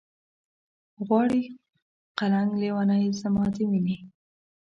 غواړي قلنګ لېونے زما د مينې